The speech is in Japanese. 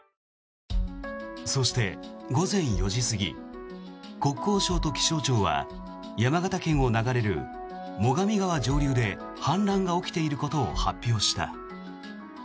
そして、午前４時過ぎ国交省と気象庁は山形県を流れる最上川上流で氾濫が起きていることを発表した。